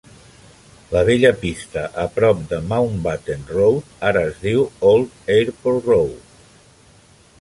La vella pista a prop de Mountbatten Road ara es diu Old Airport Road.